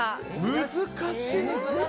難しい。